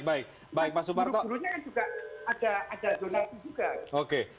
tapi kan buruk buruknya kan juga ada donasi juga